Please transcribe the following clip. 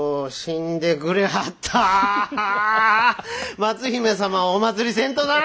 松姫様をおまつりせんとなぁ！